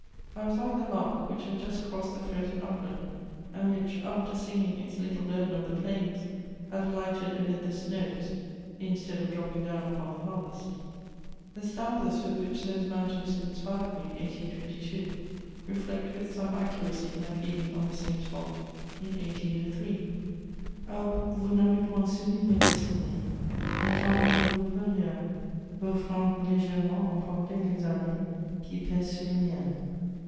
I was like the lark which had just crossed the frozen upland, and which, after singing its little burden of the plains, had alighted amid the snows, instead of dropping down upon the harvest. The stanzas with which those mountains inspired me in 1822 reflect with some accuracy my feeling on the same spot in 1803: Alpes, vous n'avez point subi mes destinées! Le temps ne vous peut rien; Vos fronts légèrement ont porté les années Qui pèsent sur le mien.